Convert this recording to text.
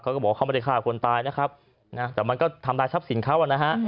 เขาก็บอกว่าเขาไม่ได้ฆ่าคนตายนะครับนะแต่มันก็ทำร้ายทรัพย์สินเขาอ่ะนะฮะ